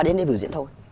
đến đây vừa diễn thôi